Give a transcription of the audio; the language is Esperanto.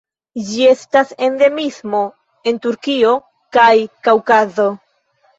Ĝi estas endemismo en Turkio kaj Kaŭkazo.